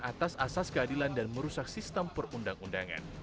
atas asas keadilan dan merusak sistem perundang undangan